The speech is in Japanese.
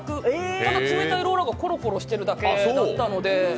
ただ冷たいローラーがコロコロしているだけだった。